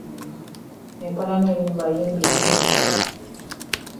empalana eri mu bayimbi nnene nnyo.